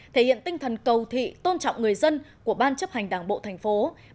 thể hiện tinh thần cầu thị tôn trọng người dân của ban chấp hành đảng bộ tp hcm